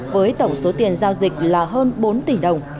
với tổng số tiền giao dịch là hơn bốn tỷ đồng